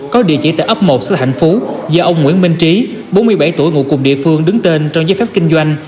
có địa chỉ tại ấp một xã hạnh phú do ông nguyễn minh trí bốn mươi bảy tuổi ngụ cùng địa phương đứng tên trong giấy phép kinh doanh